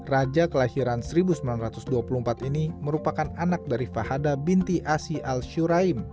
raja kelahiran seribu sembilan ratus dua puluh empat ini merupakan anak dari fahadah binti asi al shuraim